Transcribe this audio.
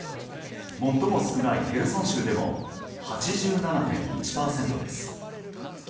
最も少ないヘルソン州でも８７．１％です。